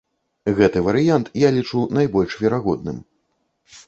Гэты варыянт я лічу найбольш верагодным.